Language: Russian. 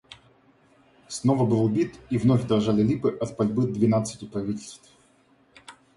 Снова был убит, и вновь дрожали липы от пальбы двенадцати правительств.